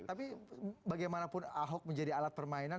tapi bagaimanapun ahok menjadi alat permainan